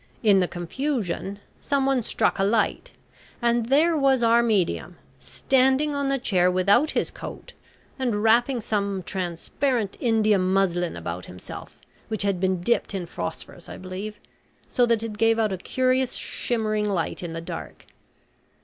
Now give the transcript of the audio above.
In the confusion some one struck a light, and there was our medium standing on the chair without his coat, and wrapping some transparent India muslin about himself, which had been dipped in phosphorus I believe, so that it gave out a curious shimmering light in the dark.